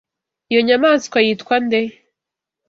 Iyo nyamaswa yitwa nde?